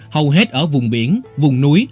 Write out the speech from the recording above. hầu hết ở vùng biển vùng núi